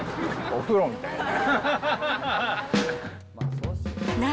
お風呂みたいやな。